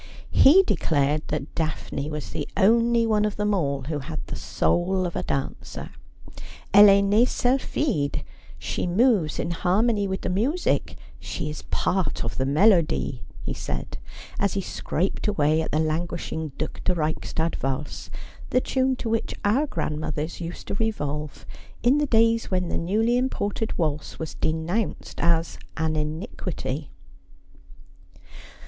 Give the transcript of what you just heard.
He declared that Daphne was the only one of them all who had the soul of a dancer. '■ Elle est nee sylpldde. She moves in harmony with the music ; she is a part of the melody,' he said, as he scraped away at the languishing Due de Reichstadt valse, the tune to which our grandmothers used to revolve in the days when the newly imported waltz was denounced as an iniquity.